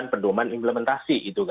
untuk penerapan implementasi